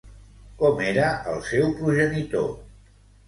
Com era el seu progenitor?